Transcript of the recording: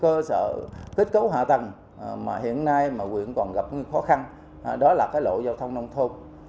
cơ sở kết cấu hạ tầng mà hiện nay nguyện còn gặp khó khăn đó là lộ giao thông nông thôn